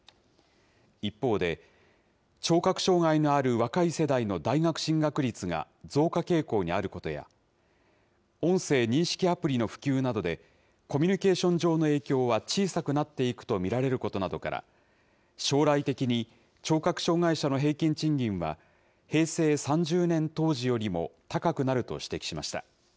一方で、聴覚障害のある若い世代の大学進学率が増加傾向にあることや、音声認識アプリの普及などで、コミュニケーション上の影響は小さくなっていくと見られることなどから、将来的に聴覚障害者の平均賃金は、平成３０年当時よりも高くなると指摘しました。